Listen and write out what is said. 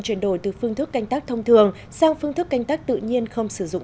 chuyển đổi từ phương thức canh tác thông thường sang phương thức canh tác tự nhiên không sử dụng